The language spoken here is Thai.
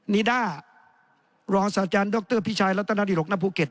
นิด้ารองสาจารย์ดรพิชัยและตนธรรมดิหลกณภูเก็ต